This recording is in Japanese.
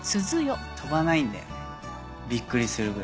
飛ばないんだよねびっくりするぐらい。